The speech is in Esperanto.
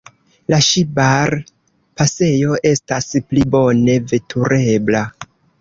La Ŝibar-pasejo estas pli bone veturebla.